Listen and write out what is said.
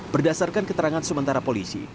berdasarkan keterangan sementara polisi